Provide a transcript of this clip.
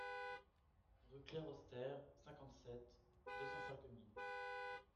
Rue Claire Oster, cinquante-sept, deux cents Sarreguemines